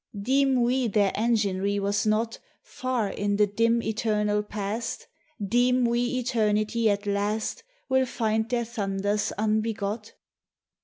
Deem we their enginery was not, Far in the dim, eternal past? Deem we eternity at last Will find their thunders unbegot?